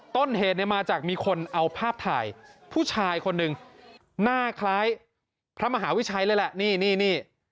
ต้นเหตุเนี่ยมาจากมีคนเอาภาพถ่ายผู้ชายคนหนึ่งหน้าคล้ายพระมหาวิชัยเลยแหละนี่นี่